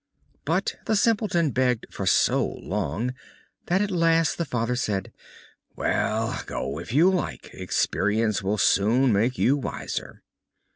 But the Simpleton begged for so long that at last the Father said: "Well, go if you like; experience will soon make you wiser."